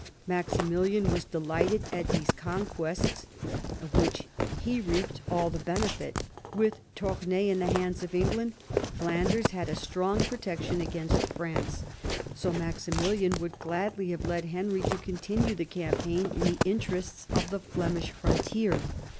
Maximilian was delighted at these conquests, of which he reaped all the benefit; with Toumai in the hands of England, Flanders had a str gng p rotection against France. So Maximilian would gladly have led Henry to continue the campaign in the interests of the Flemish frontier.